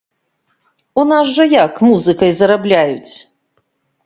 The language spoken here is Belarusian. У нас жа як музыкай зарабляюць?